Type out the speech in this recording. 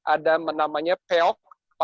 ada namanya pelc